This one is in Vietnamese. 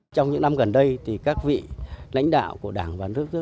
trong những năm gần đây thì các vị lãnh đạo của đảng và nước